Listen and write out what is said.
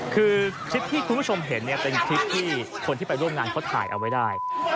คือคลิปที่คุณผู้ชมเห็นเนี่ยเป็นคลิปที่คนที่ไปร่วมงานเขาถ่ายเอาไว้ได้